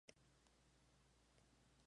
Fue desguazado como chatarra.